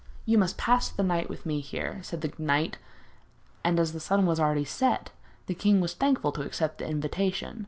'You must pass the night with me here,' said the knight; and as the sun was already set, the king was thankful to accept the invitation.